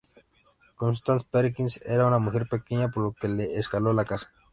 Constance Perkins era una mujer pequeña, por lo que le escaló la casa".